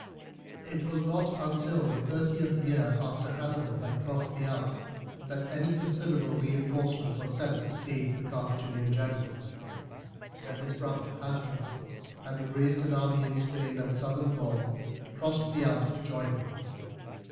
It was not until the thirteenth year after Hannibal had crossed the Alps that any considerable reinforcement was sent to aid the Carthaginian general. Then his brother Hasdrubal, having raised an army in Spain and Southern Gaul, crossed the Alps to join him.